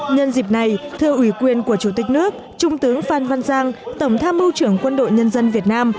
nhân dịp này thưa ủy quyền của chủ tịch nước trung tướng phan văn giang tổng tham mưu trưởng quân đội nhân dân việt nam